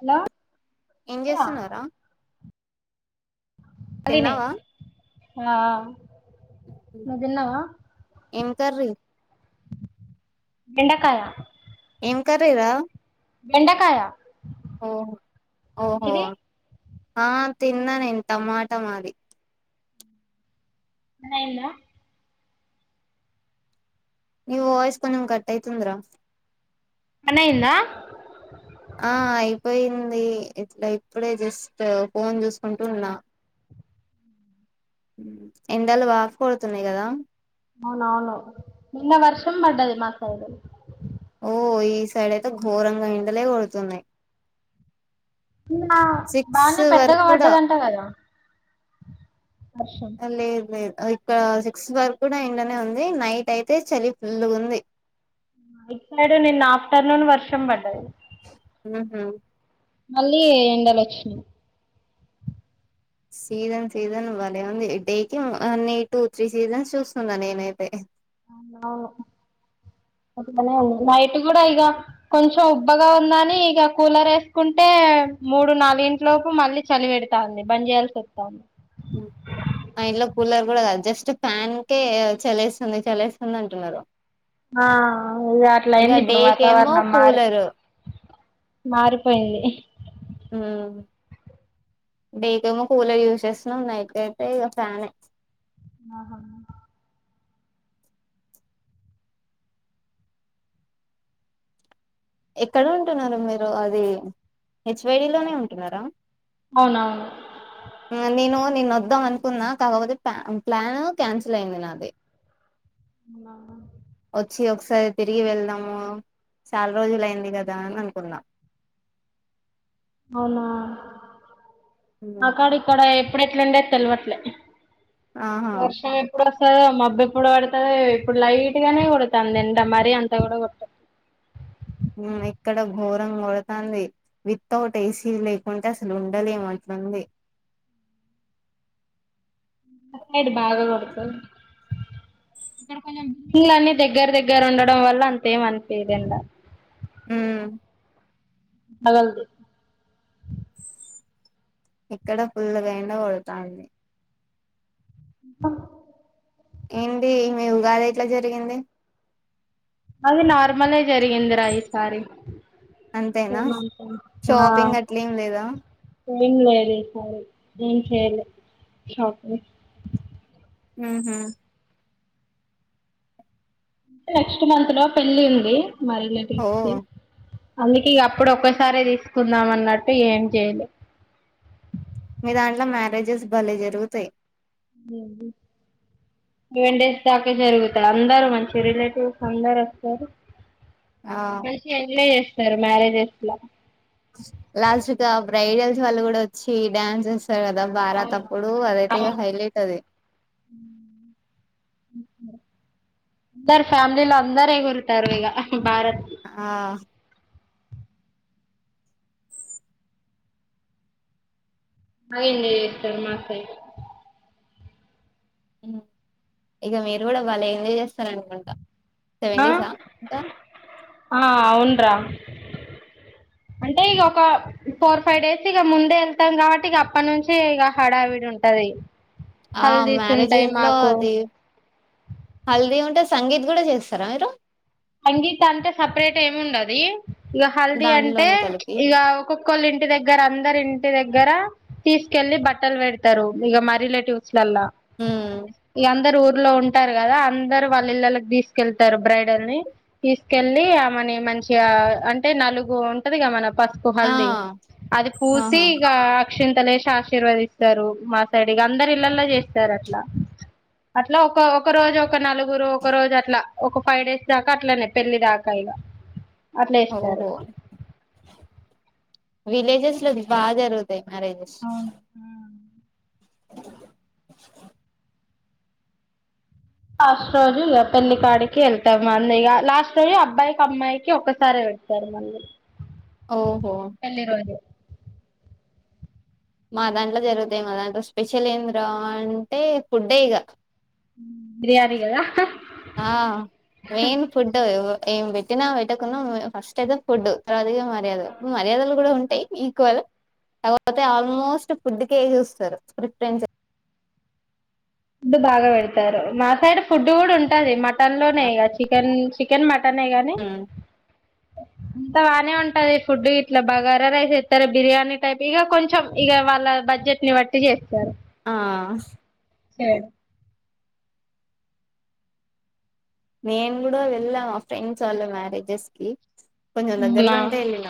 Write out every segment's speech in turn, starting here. Hello ఏం చెప్పురా జేస్తున్నావ్ రా అలినే తిన్నావా ఆ నువ్వు తిన్నావా ఏం కర్రి బెండకాయ ఎం కర్రీ రా బెండకాయ ఓ ఓహో మీది ఆ తిన్నా నేను టమాటా మాది [unintelligible] ని వాయిస్ కొంచం కట్ అయితుంది రా పని అయిందా ఆ అయిపోయింది [unintelligible] ఇప్పుడే జస్ట్ ఫోన్ చూసుకుంటూ ఉన్నా ఎండలు బాగ కొడుతున్నాయి కదా అవునవును నిన్న వర్షం పడ్డది మా సైడ్ ఓ ఈ సైడ్ అయితే ఘోరంగా ఏండలే కొడుతున్నాయి నిన్నా సిక్స్ బానే వరకు పెద్దగా కూడా పడ్డదంట కదా వర్షం లేదు లేదు ఇక్కడ సిక్స్ వరకు కూడ ఎండా నే ఉంది నైట్ అయితే చలి ఫుల్ ఉంది ఐట్ సైడు నిన్న ఆఫ్టర్నూన్ వర్షం పడ్డది హు హు మళ్ళీ ఎండలు వచ్చినా [unintelligible] సీజన్ సీజన్ భలే ఉంది డేకి వన్ ఎయి టు త్రీ సీజన్స్ చూస్తుంనా నేనైతే అవును నైట్ కూడా ఇక కొంచెం ఉబ్బగా ఉందని ఇక కూలర్ వేసుకుంటే మూడు నాలు ఇంట్లోపు మళ్ళీ చలి పెడతాంది బని చేయాల్సి వస్తాంది మా ఇంట్లో కూలర్ జస్ట్ ఫ్యాన్ కే చలేస్తుంది చల్స్తుంది అంటున్నారు ఆ ఇది అట్లా ఇక అయింది డే ఇప్పుడు కేమో వాతావరణం మారు కూలరు మారిపోయింది డే ఏమో కూలర్ యూజ్ చేస్తున్నా ఉన్నాయిట్యితే ఇక ఫ్యాన్ ఆహా ఎక్కడ ఉంటున్నారూ మీరు అది హెచ్వైడి లోనే ఉంటున్నారా అవునవును నేను నేను వద్దాం అనుకున్నా కాకపోతే ప్ ప్లాన్ క్యాన్సిల్ అయింది నాది ఆ వచ్చి ఒకసారి తిరిగి వెళ్దాము చాల రోజులు అయింది కదా అని అనుకునా అవునా అక్కడ ఇక్కడ ఎప్పుడుెట్లండే తెలివట్లే ఆహా వర్షం ఎప్పుడు మబ్బు ఇప్పుడు పడుతుంది ఇప్పుడు లైట్ గానే కుడుతుందింట మరీ అంత కూడా కుడుతుంది ఇక్కడ ఘోరం కొడతుంది విత్ ఔట్ ఏసీ లేకుంటే అసలు ఉండలేము అ [unintelligible] [unintelligible] బిల్డింగ్ల అన్ని దగ్గర దగ్గర ఉండడం వల్ల అంతేం అనిపిధు ఎండ హు [unintelligible] ఇక్కడ ఫుల్లుగ ఎండా కొడతాంది ఏంటి మీ ఉగాది ఎట్లా జరిగింది అది నార్మలే జరిగిందిరా ఈసారి అంతేనా షాపింగ్ అట్లేం లేదా ఏ లేదు ఇసారి ఏం చేయలే అహ నెక్స్ట్ మంత్ లో పెళ్లి ఉంది మరి [unintelligible] ఓ పిలిత్తే అందుకే అప్పుడు ఒక్కసారే తీసుకుందాం అన్నట్టు ఏం చేయలే మీ దాంట్లో మ్యారేజెస్ భలే జరుగుతాయి [inaudible] సెవెన్ డేస్ దాకా జరుగుతా అందరు మంచిగా రిలేటివ్స్ అందరు వస్తారు ఆ మంచిగా ఎంజాయ్ చేస్తారు మ్యారేజెస్ లో లాస్ట్ కి ఆ బ్రైడల్స్ వాళ్ళు కూడా వచ్చి డ్యాన్స్ ఎస్ [unintelligible] బారాత అవును అప్పుడు అదైతే ఇక అవును హైలైట్ అది అందరు ఫ్యామిలీలో అందరు ఎగురుతారు ఇక భారత్ ఆ అయిందే ఇప్పుడు మాసైడ్ మ్మ్ ఇక మీరు కూడా బలే ఎంజాయ్ చేస్తార అనుకుంటా సెవెన్ ఆ డేసా ఇంకా ఆ అవునురా అంటే ఇక ఒక ఫోర్ ఫైవ్ డేస్ ఇక ముందే వెళ్తాం కాబట్టి ఇక అప్పటి నుంచి ఇక హడావిడి ఉంటది ఆ హల్దీస్ మ్యారేజ్ ఉంటాయి ఇంట్లో మాకు అది హల్దీ ఉంటే సంగీత్ కూడా చేస్తారా మీరు సంగీత అంటే సపరేట్ ఏమి ఉండది ఇక హల్దీ అంటే దాంట్లోనే కలిపి ఇక ఒకొక్కళ్ళ ఇంటి దగ్గర అందరి ఇంటి దగ్గర తీసుకెళ్ళి బట్టలు పెడతారు ఇక మా రిలేటివ్స్ లల్లా హ్మ్ ఇగ అందరు ఊర్లో ఉంటారు కదా అందరు వాళ్ళ ఇళ్లకి తీసుకెళ్తారు బ్రైడొల్ని తీసుకెళ్ళలి ఆమెని మంచిగా అంటే నలుగు ఉంటదిగా మన పసుపు ఆ హల్ది అది పూసి ఆహా ఇగ అక్షింతాలేసి ఆశీర్వదిస్తారు మా సైడ్ ఇగ అందరు ఇళ్లలొ చేస్తారు అట్లా అట్లా ఒక ఒక రోజు ఒక నలుగురు ఒక రోజు అట్లా ఒక ఫైవ్ డేస్ దా అట్లనే పెళ్లి దాకా ఇగ అట్లే ఇస్తారు ఓహో విలేజెస్ లో బాగా జరుగుతాయి మ్యారేజెస్ అవును లాస్ట్ రోజు ఇక పెళ్లి కాడికి వెళ్తాం అన్నయ ఇక లాస్ట్ రోజు అబ్బాయికి అమ్మాయికి ఒకసారి పెడతారు మళ్ళీ ఓహో మా దాంట్లో జరుగుతాయి మా దాంట్లో స్పెషల్ ఏంది రా అంటే ఫుడ్డే ఇక బిర్యానీ కదా ఆ మెయిన్ ఫుడ్ ఏం పెట్టినా పెట్టకుండా ఫస్ట్ అయితే ఫుడ్ తవా [unintelligible] మర్యాద మర్యాదలు కూడా ఉంటాయి ఈక్వల్ కాకపోతే ఆల్మోస్ట్ ఫుడ్ కే ఏచేస్తారు ప్రిపరెన్స్ మా సైడ్ ఫుడ్ కూడా ఉంటాది మటన్ లోనే ఇక చికెన్ చికెన్ మటన్ టనే గానీ ఉమ్. అంత బాగానే ఉంటది ఫుడ్ ఇట్లా బగారా రైస్ ఎత్తారు బిర్యానీ టైప్ ఇక కొంచెం ఇక వాళ్ళ బ బడ్జెట్ ని బట్టి చేస్తారు ఆ సడ్ [unintelligible] నేను కూడా వెళ్ళా మా ఫ్రెండ్స్ వాళ్ళ మ్యారేజెస్ కి కొంచెం దగ్గర్లో నా ఉంటే వెళ్ళిన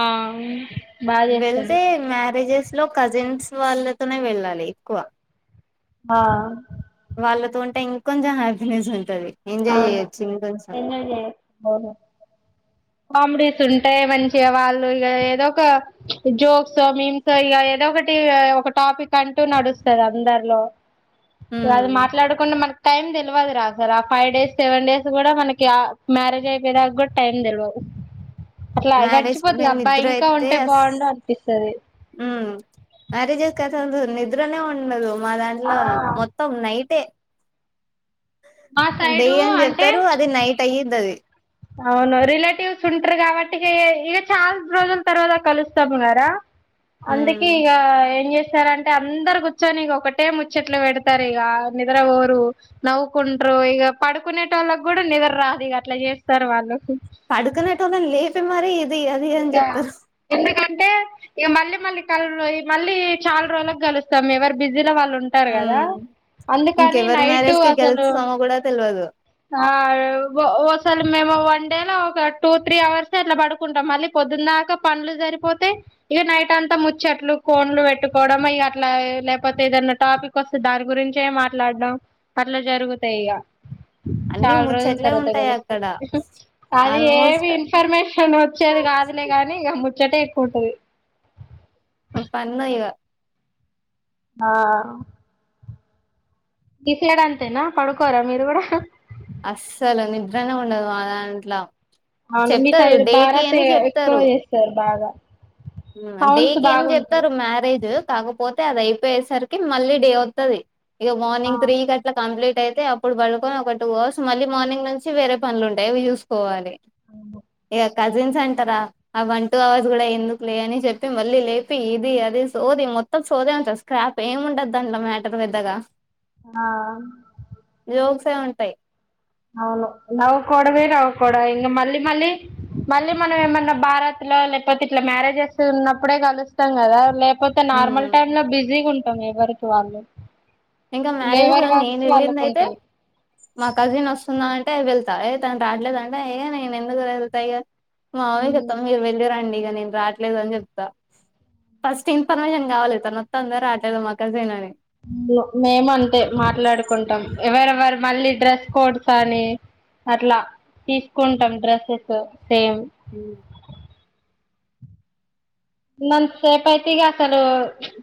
ఆ బాగా వెళ్తే చేస్తారు మ్యారేజెస్ లో కజిన్స్ వాళ్ళతోనే వెళ్ళాలి ఎక్కువ ఆ వాళ్ళతో ఉంటే ఇంకొంచెం హ్యాపీనెస్ ఉంటంది అవును ఎంజాయ్ చేయొచ్చు బాగ కామెడీస్ ఉంటాయి మంచిగా వాళ్ళు ఇక ఏదో ఒక జోక్స్ ఆ [unintelligible] ఏదో ఒక ఒకటి ఒక టాపిక్ అంటూ నడుస్తాది అందరిలో వాళ్ళు ఉమ్ మాట్లాడుకుంటే మనకు టైం దెలువదు రా అసలు ఫైవ్ డేస్ సెవెన్ డేస్ గూడా మనకి ఆ మ్యారేజ్ అయిపోయే దాకా గూడా టైం దెలువదు అట్లా మ్యారేజ్ గడిచిపోతది మేము అబ్బా నిద్ర ఇంకా అయితే ఉంటే అస్ బాగుండు అనిపిస్తది ఉమ్ మ్యారేజెస్ కైతే నిద్రనే ఉండదు మా ఆ దాంట్లో మొత్తం నైటే మా డే సైడు అని అంటే జెప్తరు అది నైట్ అయ్యది అది అవును రిలేటివ్స్ ఉంటరు గాబట్టి ఇగ చాలా రోజుల తర్వాత కలుస్తాము గారా అందుక ఉమ్ ఇగ ఏం జె సరే అంటే అందరు కూర్చొని ఇగ ఒకటే ముచ్చట్లు పెడతారు ఇగ నిద్ర బోరు నవ్వుకుంటరు ఓ ఇగ పడుకునే టోళ్ళకి గూడా నిద్ర రాదు ఇగ అట్లా జేస్తరు వాళ్ళు పడుకునే టోళ్ళను లేపి మరీ ఇగ ఎందు కం అంటే ఇగ మళ్ళీ మళ్ళీ కలవరు మళ్ళీ చాలా రోజులకి కలుస్తాము ఎవరు బిజీలో వాళ్ అట్లుంటరు గదా ఉమ్ అందుకని ఇంకెవరి నైట్ మ్యారేజ్ కి అసలు గెలుస్తామో కూడా తెల్వదు ఓసలు మేము వన్ డేలో ఒక టూ త్రీ అవర్స్ అట్లా పడు కుంటాం మళ్ళీ పొద్దు దాకా పనులు సరిపోతే ఇగా నైట్ అంతా ముచ్చట్లు కోన్లు పెట్టుకోవడం అట్లా లేకపోతే ఏదన్నా టాపిక్ వస్తే దాని గురించే మాట్లాడడం అట్లా జరుగుతాయి ఇగా [inaudible] చాలా రోజుల ముచ్చట్లే తర్వాత ఉంటాయి గలుస్తే అక్కడ అది ఏమి ఆల్మోస్ట్ ఇన్ఫర్మేషన్ వచ్చి అది గాదులే గానీ ఇగ ముచ్చటే ఎక్కువ ఉంటది ఓ ఫన్ను ఇగ ఆ గీసైడ్ అంతేనా పడుకోరా మీరు గూడా అస్సలు నిద్రనే ఉండదు మా దాంట్ల అవును మీ చెప్తరు సైడ్ డేట్ భారత్ ఇయ్యంగనే ఎక్కువ జెప్తరు చేస్తారు బాగా సౌండ్స్ డేట్ ఏం బాగుంటాయి జెప్తరు మ్యారేజ్ కాకపో పోతే అది అయిపోయేసరికి మళ్ళీ డే ఒత్తది ఇగ ఆ మార్నింగ్ త్రీకి అట్లా కంప్లీట్ అయితే అప్పుడు పడుకొని ఒక టూ అవర్స్ మళ్ళీ మార్నింగ్ నుంచి వేరే పనులు ఉంటాయి అవ్వి చూసుకోవాలి ఇక [inaudible] కజిన్స్ అంటారా ఆ వన్ టూ అవర్స్ గూడా ఎందుకు లే అని చెప్తే మళ్ళీ లేపి ఇది అది సోది మొత్తం సోదే ఉంటది స్క్రాప్ ఏమి ఉండదు దాంట్లో మ్యాటర్ పెద్దగా ఆ జోక్సే ఉంటాయి అవును నవ్వుకోవడమే నవ్వుకోవడం ఇంగా మళ్ళీ మళ్ళీ మళ్ళీ మనం ఏమన్నా భారత్ లో లేకపోతే ఇట్లా మ్యారేజెస్ ఉన్నప్పుడే గలుస్తాం గదా లే కపోతే ఉమ్ నార్మల్ టైమ్ లో బిజీగా ఉంటాం ఎవరికి వాళ్ళు ఇంకా మ్యారేజ్ లో ఎవరి నేను వర్క్స్ వెళ్ళింది వాళ్ళకు అయితే ఉంటాయి మా కజిన్ వస్త స్తుందా అంటే వెళ్తా ఏ తను రాట్లేదంటే నేను ఎందుకు వెళ్తా ఇగా మామమ్మికి చెప్తాం మీరు వెళ్ళి రండి ఇగ నేను రాట్లేదు అని జెప్తా ఫస్ట్ ఇన్ఫర్మేషన్ గావాలి తను వస్తుందో రాట్లేదో మా కజిన్ అని మేము అంతే మాట్లాడుకుంటాం ఎవరెవరు మళ్ళీ డ్రెస్ కోడ్స్ అని అట్లా తీసుకుంటాం డ్రెస్సెస్ సేమ్ ఉన్నంత సేపు అయితే ఇగ అసలు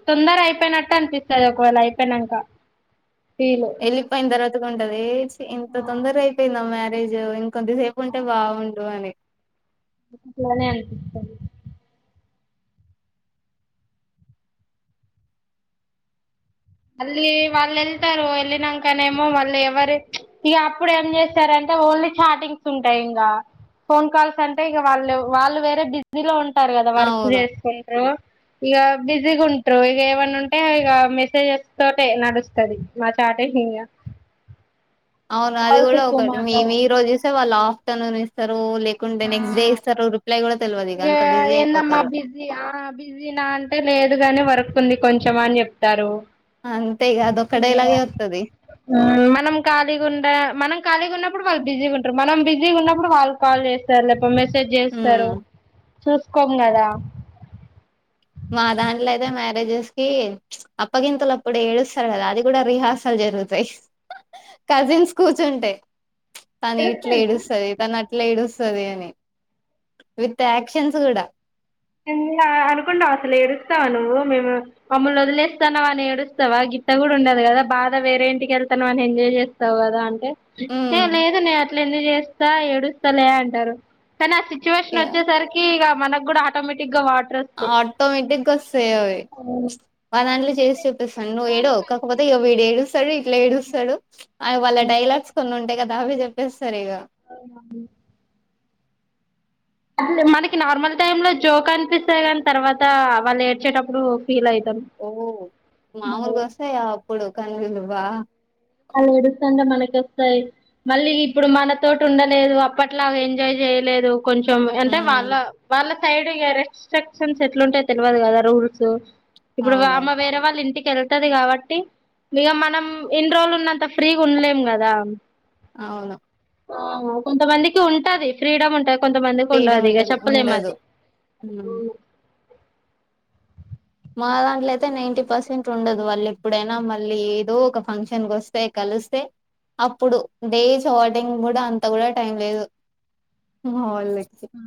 తొందర అయిపోయినట్టు అనిపిస్తది ఒకవేళ అయిపోయినంక [inaudible] ఫీల్ యెళ్లిపోయిన తర్వాత ఉంటది చి ఇంత తొందరగా అయిపోయిందా మ్యారేజ్ కొద్దిసేపు ఉంటే బాగుండు అని అట్లనే అనిపిస్తది మళ్ళీ వాళ్ళు యెళ్తారు యెళ్ళినాకనేమో వాళ్ళు ఎవరు ఇగ అప్పుడు ఏం జేస్తారంటే ఓన్లీ చాటింగ్స్ ఉంటాయి ఇంగా ఫోన్ కాల్స్ అంటే ఇగ వాళ్ళు వాళ్ళు వేరే బిజీలో ఉం టారు గదా వర్క్ అవును జేసుకుంటరు ఇగ బిజీగ ఉంట్రు ఇగా ఏవన్నా ఉంటే ఇగ మెసేజే తోటే నడుస్తది మా చాటింగ్ ఇంగ అవును అది కాల్స్ కూడా ఎక్కువ ఒకటి మేము మాట్లాడం ఈ రోజు ఇస్తే వాళ్ళు ఆఫ్టర్నూన్ ఇస్తారు లే లేకుంటే నెక్స్ట్ డే ఇస్తారు రిప్లై కూడా తెల్వదు ఇగ అంత బిజీ ఇగాఏందమ్మా అయిపోతారు బిజీయ బిజీ నా అంటే లేదు గాని వర్క్ కుంది కొంచం అని చెప్తారు అంతే ఇగ అదొక్క చిల్గయ డైలాగే వత్తది మనం ఖాళీగుండా మనం ఖాళీగా ఉన్నప్పు ప్పుడు వాళ్ళు బిజీగా ఉంటారు మనం బిజీగా ఉన్నప్పుడు వాళ్ళు కాల్ చేస్తారు లేపో మెసేజ్ చేస్తారు ఉమ్ చూసుకోం కదా మా దాంట్ల అయితే మ్యారేజెస్ కి అప్పగింతలప్పుడు ఏడుస్తారు కదా అది కూడా రిహార్సల్ జరుగుతాయి కజిన్స్ కూర్చుంటే తను ఇట్లా ఏడుస్తది తను అ ఇట్ల ఏడుస్తదనీ విత్ యాక్షన్స్ కూడా అనుకుంటావు అసలు ఏడుస్తావా నువ్వు మేము మమ్మల్ని వదిలేస్తాన్నావ్ అని ఏడుస్తావా గిత్త కూడా ఉండదు కదా కదా బాధా వేరే ఇంటికి వెళ్తాం అని ఎంజాయ్ చేస్తావు కదా అంటే ఏ ఉమ్ లేదు నే అట్ల ఎందు చేస్తా ఏడుస్తా లే అంటారు కానీ ఆ సిచ్యువేషన్ ఇగ వచ్చేసరికి ఇగ మన కూడా ఆటోమేటిక్ గా వా ఆటోమేటిక్ గా వస్తాయి అవి అవును మా దాన్లిచ్ ఇన్ని చేసి చూపిస్తాను నువ్వు రోజులు ఏడువావ్ కలిసి కాకపోతే ఇగ విడు ఉండి ఏడుస్తాడు ఇట్లా ఏడుస్తాడు అవి వాళ్ళ డైలాగ్స్ కొన్ని ఉంటాయి కదా అవి చెప్పేస్తారు ఇగా అవునా అట్లే మనకి నార్మల్ టైం లో జోక్ అనిపిస్తాది కనీ తర్వాత వాళ్ళు ఏడ్చేటప్పుడు ఫీల్ అయి ఓ మాముూలుగా వస్తాయా అప్పుడు కన్నీలు బా వాళ్ళు ఏడుస్తంటే మనకి వస్తాయి మళ్ళీ ఇప్పుడు మనతోటి ఉండలేదు అప్పట్లాగ ఎంజాయ్ చేయలేదు కొంచెం అంటే వాళ్ళ ఉమ్ వాళ్ళ సైడ్ రెస్టెక్ క్షన్స్ ఎట్లుంటయో తెల్వదు కదా రూల్స్ ఇప్పుడు అవును వామె వేరే వాళ్ళ ఇంటికి కెళ్తది కాబట్టి ఇగ మనం ఇన్ని రోజులు ఉన్నంత ఫ్రీగా ఉండలేం కదా అవును ఆహు కొంతమందికి ఉంటది ఫ్రీడమ్ ఉంటది కొంతమందికి ఫ్రీడమ్ ఉండదు ఇగ ఉంటది ఉండదు చెప్పలేమది ఉమ్ మా దాంట్ల అయితే నైంటీ పర్సెంట్ ఉండదు వాళ్ళు ఎప్పుడైనా మళ్ళీ ఎదో ఒక ఫంక్షన్కు వస్తె కలుస్తే అప్పుడు డేస్ ఔట్టింగ్ కూడా అంత కూడా టైం లేదు మా వాళ్ళకి ఆ